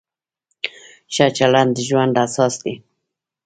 ښه چلند د ژوند اساس دی.